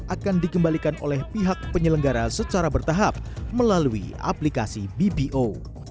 akan dikembalikan oleh pihak penyelenggara secara bertahap melalui aplikasi bbo